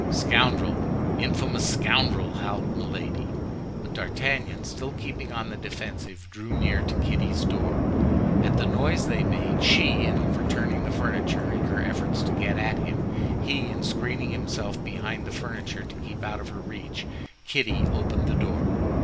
"Scoundrel, infamous scoundrel!" howled Milady. But D'Artagnan, still keeping on the defensive, drew near to Kitty's door. At the noise they made, she in overturning the furniture in her efforts to get at him, he in screening himself behind the furniture to keep out of her reach, Kitty opened the door.